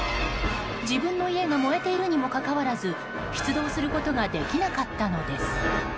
自分の家が燃えているにもかかわらず出動することができなかったのです。